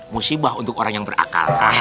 musibah untuk orang yang berakalkah